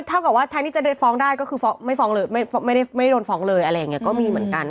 เท่ากับว่าแทนที่จะเดินฟ้องได้ก็คือไม่ฟ้องเลยไม่ได้โดนฟ้องเลยอะไรอย่างนี้ก็มีเหมือนกัน